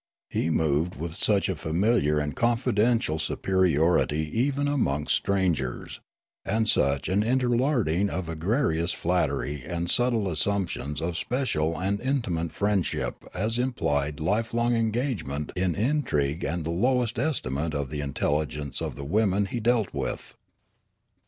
He moved with such a familiar and confidential superiority even amongst strangers, and such an interlarding of egregious flattery and subtle assumption of special and intimate friendship as im plied lifelong engagement in intrigue and the lowest 152 Riallaro estimate of the intelligence of the women he dealt with.